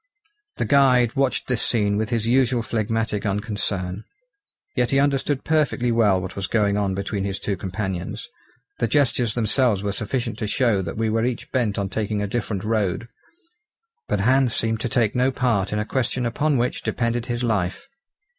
The guide watched this scene with his usual phlegmatic unconcern. Yet he understood perfectly well what was going on between his two companions. The gestures themselves were sufficient to show that we were each bent on taking a different road; but Hans seemed to take no part in a question upon which depended his life.